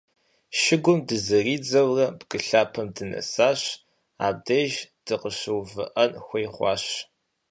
Шыгум дызэридзэурэ, бгы лъапэм дынэсащ, абдеж дыкъыщыувыӏэн хуей хъуащ.